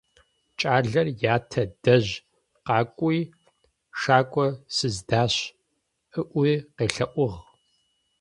Кӏалэр ятэ дэжь къакӏуи: «Шакӏо сыздащ», - ыӏуи къелъэӏугъ.